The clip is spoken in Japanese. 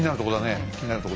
気になるとこです。